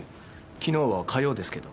昨日は火曜ですけど。